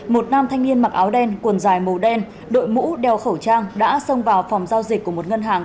một nam thanh niên mặc áo đen quần dài màu đen đội mũ đeo khẩu trang đã xông vào phòng giao dịch của một ngân hàng